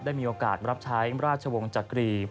มีโอกาสรับใช้ราชวงศ์จักรี